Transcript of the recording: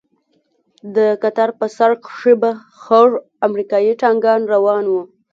د کتار په سر کښې دوه خړ امريکايي ټانگان روان وو.